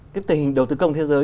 cái tình hình đầu tư công thế giới